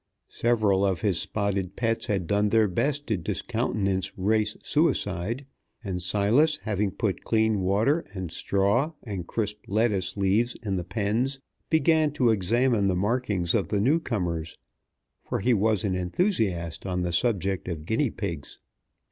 Several of his spotted pets had done their best to discountenance race suicide; and Silas, having put clean water and straw and crisp lettuce leaves in the pens, began to examine the markings of the newcomers, for he was an enthusiast on the subject of guinea pigs.